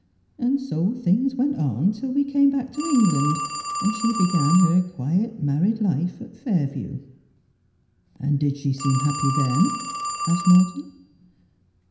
And so things went on till we came back to England, and she began her quiet married life at Fairview.' ' Did she seem happy then ?' asked Morton.